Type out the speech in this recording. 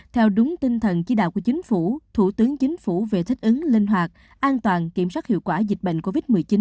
theo đúng tinh thần chỉ đạo của chính phủ thủ tướng chính phủ về thích ứng linh hoạt an toàn kiểm soát hiệu quả dịch bệnh covid một mươi chín